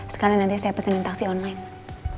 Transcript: sekarang nanti saya pesanin taksi online